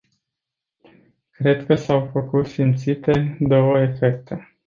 Cred că s-au făcut simțite două efecte.